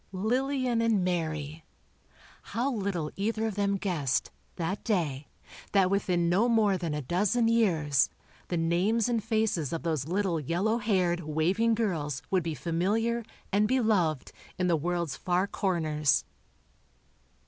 Lillian and Mary! How little either of them guessed, that day, that within no more than a dozen years, the names and faces of those little yellow haired, waving girls would be familiar, and beloved, in the world's far corners.